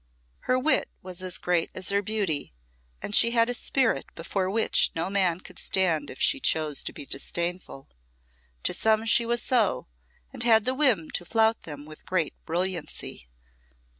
Her wit was as great as her beauty, and she had a spirit before which no man could stand if she chose to be disdainful. To some she was so, and had the whim to flout them with great brilliancy.